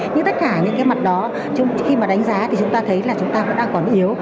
nhưng tất cả những cái mặt đó khi mà đánh giá thì chúng ta thấy là chúng ta vẫn đang còn yếu